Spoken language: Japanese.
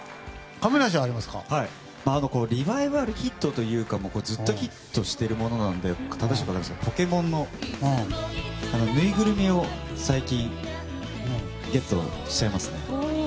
リバイバルヒットというかずっとヒットしてるものなんですけど「ポケモン」のぬいぐるみを最近ゲットしちゃいますね。